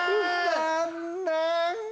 残念！